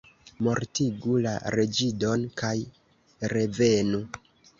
Mortigu la reĝidon kaj revenu!